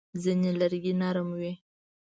ځینې لرګي نرم وي.